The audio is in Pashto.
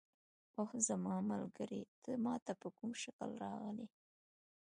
اوه زما ملګری، ته ما ته په کوم شکل راغلې؟